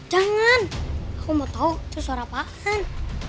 jangan aku mau tahu itu suara paksen